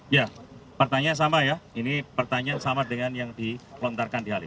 ya pertanyaan sama ya ini pertanyaan sama dengan yang dilontarkan di hari